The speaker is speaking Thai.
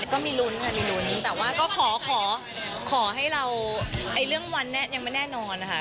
ก็มีรุ้นค่ะมีรุ้นแต่ว่าก็ขอขอขอให้เราไอเรื่องวันแน่ยังไม่แน่นอนค่ะ